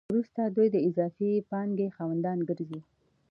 وروسته دوی د اضافي پانګې خاوندان ګرځي